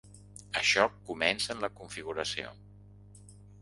Això comença en la configuració.